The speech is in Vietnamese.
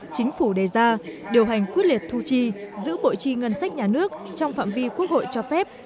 chính phủ đề ra điều hành quyết liệt thu chi giữ bộ chi ngân sách nhà nước trong phạm vi quốc hội cho phép